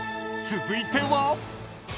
［続いては］